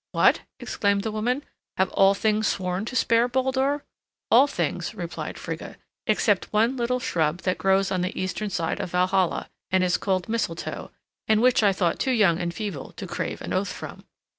"What," exclaimed the woman, "have all things sworn to spare Baldur?" "All things," replied Frigga, "except one little shrub that grows on the eastern side of Valhalla, and is called Mistletoe, and which I thought too young and feeble to crave an oath from."